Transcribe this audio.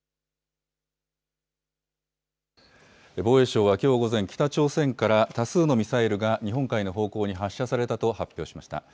防衛省はきょう午前、北朝鮮から多数のミサイルが日本海の方向に発射されたと発表しました。